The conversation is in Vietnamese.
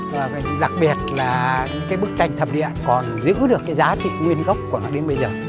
và đặc biệt là những cái bức tranh thập địa còn giữ được cái giá trị nguyên gốc của nó đến bây giờ